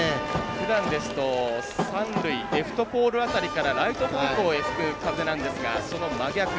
ふだんですと三塁レフト方向からライト方向に吹く風なんですがその真逆。